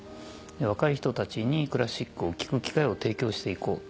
若い人たちにクラシックを聴く機会を提供していこう。